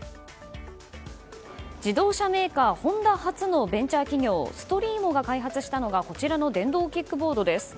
自動車メーカー、ホンダ発のベンチャー企業ストリーモが開発したのがこちらの電動キックボードです。